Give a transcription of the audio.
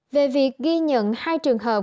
về việc ghi nhận hai trường hợp